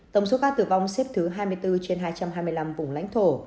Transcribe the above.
tổng số ca tử vong xếp thứ hai mươi bốn trên hai trăm hai mươi năm vùng lãnh thổ